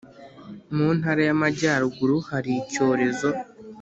Mu Ntara y Amajyaruguru hari icyorezo